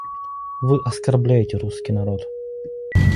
Вы оскорбляете русский народ.